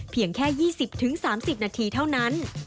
เพียงแค่๒๐๓๐นาทีเท่านั้น